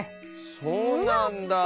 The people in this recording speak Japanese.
そうなんだあ。